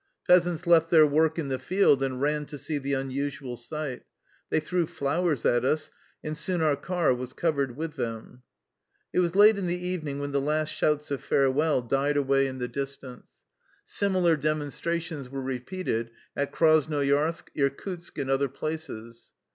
Peasants left their work in the field and ran to see the unusual sight. They threw flowers at us, and soon our car was covered with them. It was late in the evening when the last shouts of farewell died away in the distance. 172 THE LIFE STORY OF A RUSSIAN EXILE Similar demonstrations were repeated at Kras nojarskj Irkutsk, and other places.